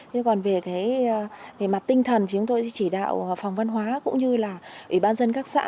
thế còn về cái về mặt tinh thần thì chúng tôi sẽ chỉ đạo phòng văn hóa cũng như là ủy ban dân các xã